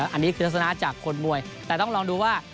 อันนี้คือทัศนะจากคนมวยแต่ต้องลองดูว่า